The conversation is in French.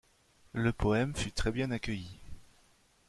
Le poème fut très bien accueilli.